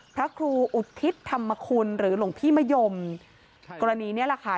พระครูอุทิศธรรมคุณหรือหลวงพี่มะยมกรณีนี้แหละค่ะ